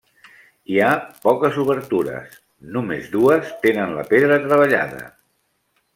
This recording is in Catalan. Hi ha poques obertures, només dues tenen la pedra treballada.